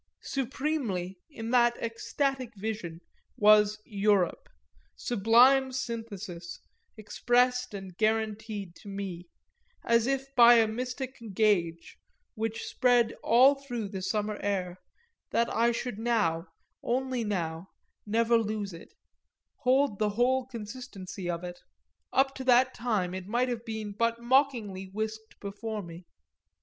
Supremely, in that ecstatic vision, was "Europe," sublime synthesis, expressed and guaranteed to me as if by a mystic gage, which spread all through the summer air, that I should now, only now, never lose it, hold the whole consistency of it: up to that time it might have been but mockingly whisked before me.